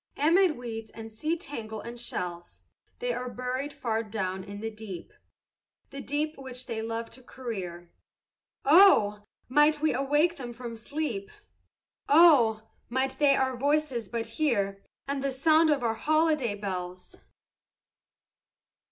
Amid weeds and sea tangle and shells They are buried far down in the deep, The deep which they loved to career. Oh, might we awake them from sleep! Oh, might they our voices but hear, And the sound of our holiday bells!